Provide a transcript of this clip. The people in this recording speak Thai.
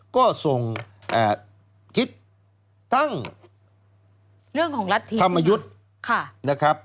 ก็ส่งคิดตั้งธรรมยุทธ์